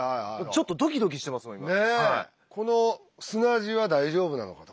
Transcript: ちょっとドキドキしてます今。